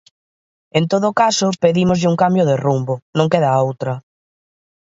En todo caso, pedímoslle un cambio de rumbo, non queda outra.